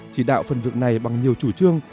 chỉ đạo phần việc này bằng nhiều chủ trương